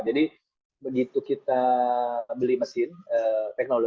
jadi begitu kita beli mesin